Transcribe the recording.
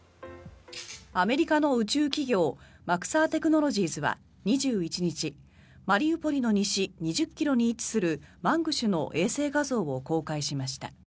アメリカの宇宙企業マクサー・テクノロジーズは２１日マリウポリの西２０ｋｍに位置するマングシュの衛星画像を公開しました。